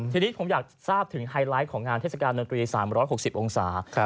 ทีนี้ผมอยากทราบถึงไฮไลท์ของงานเทศกาลดนตรี๓๖๐องศา